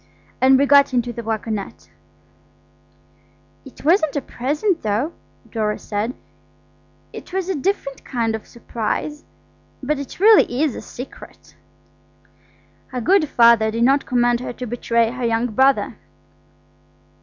And we got into the waggonette. "It wasn't a present, though," Dora said; "it was a different kind of surprise–but it really is a secret." Our good Father did not command her to betray her young brother.